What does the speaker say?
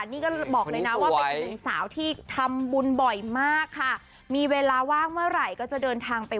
ว่าเป็นหนึ่งสาวที่ทำบุญบ่อยมากค่ะมีเวลาว่างเมื่อไหร่ก็จะเดินทางไป